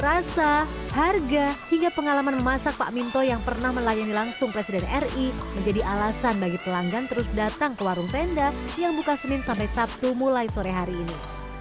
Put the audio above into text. rasa harga hingga pengalaman memasak pak minto yang pernah melayani langsung presiden ri menjadi alasan bagi pelanggan terus datang ke warung tenda yang buka senin sampai sabtu mulai sore hari ini